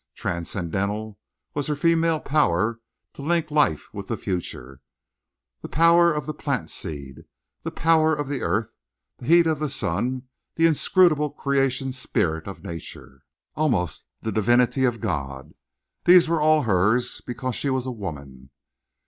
Transcendental was her female power to link life with the future. The power of the plant seed, the power of the earth, the heat of the sun, the inscrutable creation spirit of nature, almost the divinity of God—these were all hers because she was a woman.